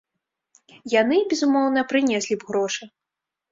Яны, безумоўна, прынеслі б грошы.